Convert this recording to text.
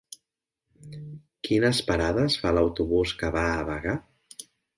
Quines parades fa l'autobús que va a Bagà?